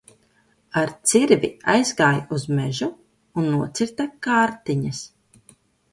Ar cirvi aizgāja uz mežu un nocirta kārtiņas.